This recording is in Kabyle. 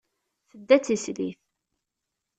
Tedda d tislit.